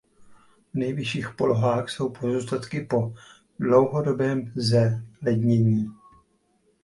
V nejvyšších polohách jsou pozůstatky po dlouhodobém zalednění.